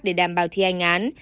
để đảm bảo thi hành án